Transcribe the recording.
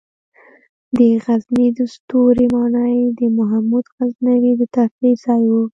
د غزني د ستوري ماڼۍ د محمود غزنوي د تفریح ځای و